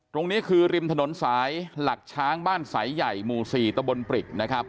ตรงนี้คือริมถนนสายหลักช้างบ้านสายใหญ่หมู่๔ตะบนปริกนะครับ